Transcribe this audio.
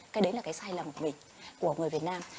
cái đấy là cái sai lầm của mình của người việt nam